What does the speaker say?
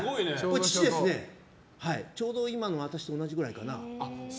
ちょうど今の私と同じくらいかな。